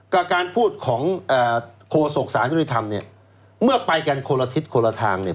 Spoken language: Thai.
การพูดของโฆษกศาลยุติธรรมเนี่ยเมื่อไปกันคนละทิศคนละทางเนี่ย